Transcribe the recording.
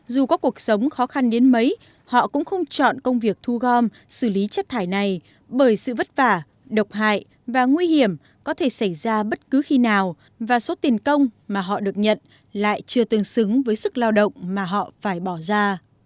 dù có cuộc sống khó khăn đến mấy họ cũng không chọn công việc thu gom xử lý chất thải này bởi sự vất vả độc hại và nguy hiểm có thể xảy ra bất cứ khi nào và số tiền công mà họ được nhận lại chưa tương xứng với sức lao động mà họ phải bỏ ra